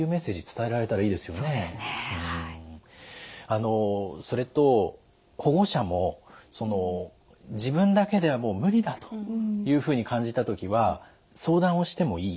あのそれと保護者も自分だけではもう無理だというふうに感じた時は相談をしてもいい？